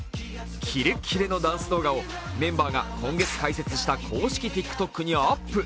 キレッキレのダンス動画をメンバーが今月開設した公式ＴｉｋＴｏｋにアップ。